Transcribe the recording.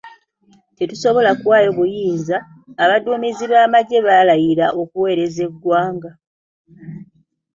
Tetusobola kuwaayo buyinza, abaduumizi b'amagye baalayira okuweereza bannayuganda.